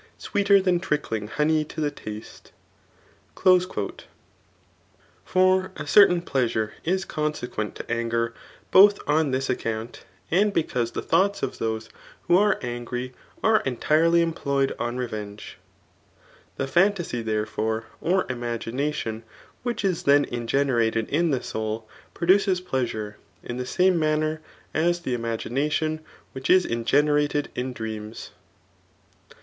Sweeter than trickling honej to the taste. Foi a certain pleasure is consequent to angtr both on ' In Iliad, 18. CRAP. If. RHETORIC. 101 this aceount, and because the thoughts of those who are angry are entu*ely employed on revenge. The phan« tasy, therefore, or imaginatioii which is then ingenerated in the soul, produces pleasure, in the same mannier as th^ imagination which is ingenmted in dreams.